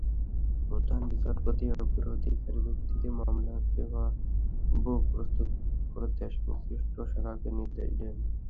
প্রধান বিচারপতি অগ্রাধিকার ভিত্তিতে মামলার পেপারবুক প্রস্তুত করতে সংশ্লিষ্ট শাখাকে নির্দেশ দেন।